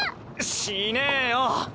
しねぇよ！